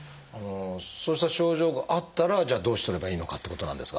そうした症状があったらじゃあどうすればいいのかってことなんですが。